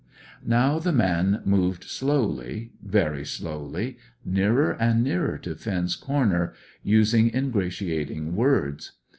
Now the man moved slowly, very slowly, nearer and nearer to Finn's corner, using ingratiating words.